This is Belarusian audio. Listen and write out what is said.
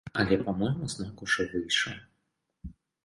Але па-мойму знак ужо выйшаў.